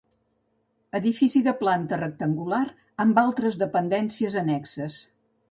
Edifici de planta rectangular amb altres dependències annexes.